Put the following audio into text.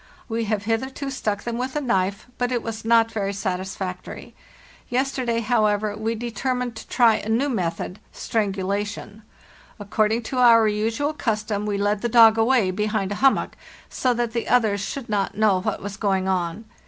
We have hitherto stuck them with a knife, but it was not very satisfactory. Yesterday, however, we determined to try a new method — strangulation. According to our usual custom, we led the dog away behind a hummock, so that the others should not know what was going on.